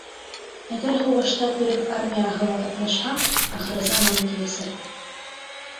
Әгәр һуғышта төрөк армияһы ла ҡатнашһа, ахырызаман киләсәк...